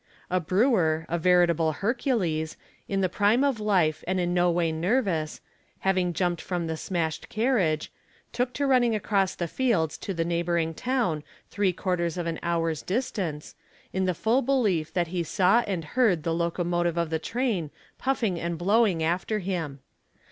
A brewer, a veritable Hercules, in the prime of life and in no Way nervous, having jumped from the smashed carriage, took to running across the fields to the neighbouring town, three quarters of an hour's ee istance, in the full belief that he saw and heard the locomotive of the 'train puffing and blowing after him.